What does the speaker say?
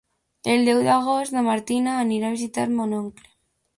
El deu d'agost na Martina anirà a visitar mon oncle.